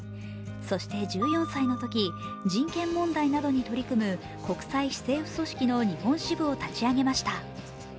そして１４歳のとき、人権問題などに取り組む国際非政府組織の日本支部を立ち上げました。